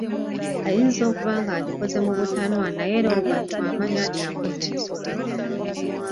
Ayinza okuba ng'agikoze mu butanwa naye era oluvannyuma amanya nti akoze ensobi!